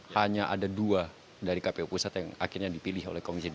hanya ada dua dari kpu pusat yang akhirnya dipilih oleh komisi dua